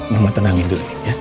mama tenangin dulu ya